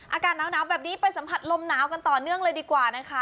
อากาศหนาวแบบนี้ไปสัมผัสลมหนาวกันต่อเนื่องเลยดีกว่านะคะ